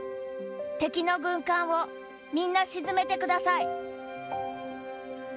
敵の軍艦をみんな沈めてください」。